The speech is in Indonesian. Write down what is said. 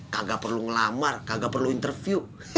kagak perlu ngelamar kagak perlu interview